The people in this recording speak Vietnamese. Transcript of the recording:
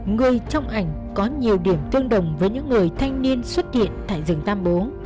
người trong ảnh có nhiều điểm tương đồng với những người thanh niên xuất hiện tại rừng tam bố